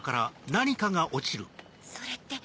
それって。